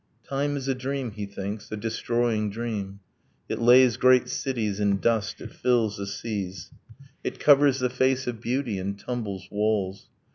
Time is a dream, he thinks, a destroying dream; It lays great cities in dust, it fills the seas; It covers the face of beauty, and tumbles walls.